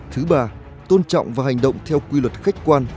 thứ ba tôn trọng và hành động theo quy luật khách quan